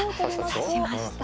指しました。